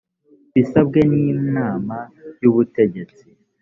bisabwe n’inama y’ubutegetsi